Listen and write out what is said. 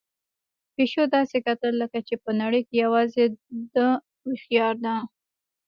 پيشو داسې کتل لکه چې په نړۍ کې یوازې ده هوښیار ده.